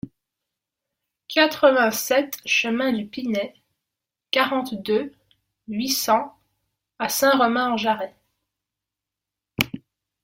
quatre-vingt-sept chemin du Pinay, quarante-deux, huit cents à Saint-Romain-en-Jarez